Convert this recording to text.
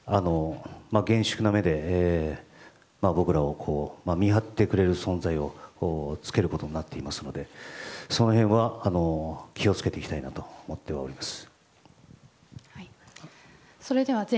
厳粛な目で僕らを見張ってくれる存在をつけることになっていますのでその辺は気を付けていきたいなと思っております。